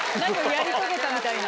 やり遂げたみたいな。